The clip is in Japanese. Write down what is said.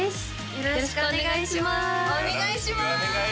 よろしくお願いします！